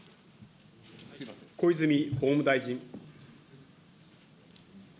小泉法務大臣。